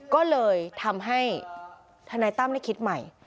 ก็เลยทำให้ทนายตั้มได้คิดใหม่